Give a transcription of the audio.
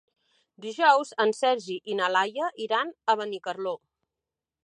Dijous en Sergi i na Laia iran a Benicarló.